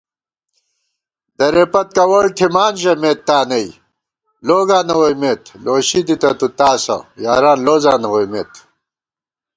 درېپتکوَڑ تھِمان ݫُمېت تانئ، لوگاں نہ ووئیمېت * لوشی دِتہ تُو تاسہ یاران لوزاں نہ ووئیمېت